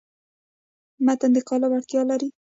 متن د قالب اړتیا لري.